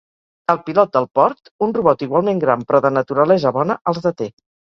El pilot del port, un robot igualment gran però de naturalesa bona, els deté.